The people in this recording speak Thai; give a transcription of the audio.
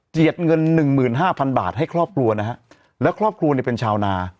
เงินหนึ่งหมื่นห้าพันบาทให้ครอบครัวนะฮะแล้วครอบครัวเนี่ยเป็นชาวนา